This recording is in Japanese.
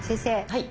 はい。